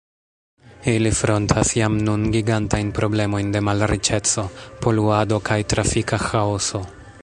Ili frontas jam nun gigantajn problemojn de malriĉeco, poluado kaj trafika ĥaoso.